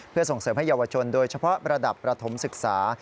เพื่อส่งเสริมให้เยาวชนโดยเฉพาะระดับประถมศึกษา